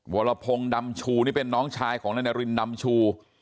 วรพงศ์ดำชูนี่เป็นน้องชายของนายนารินดำชู